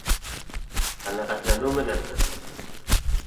Ҡәнәғәтләнеү менән